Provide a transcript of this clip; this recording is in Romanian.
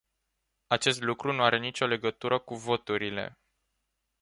Acest lucru nu are nicio legătură cu voturile.